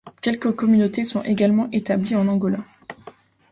Quelques communautés sont également établies en Angola.